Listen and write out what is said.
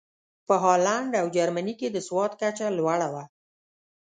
په هالنډ او جرمني کې د سواد کچه لوړه وه.